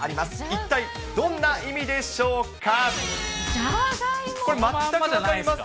一体どんな意味でしょうか。